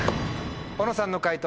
小野さんの解答